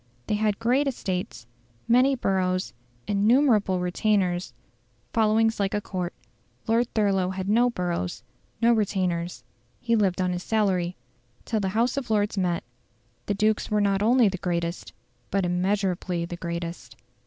They had great estates, many boroughs, innumerable retainers, followings like a Court. Lord Thurlow had no boroughs, no retainers; he lived on his salary. Till the House of Lords met, the dukes were not only the greatest, but immeasurably the greatest.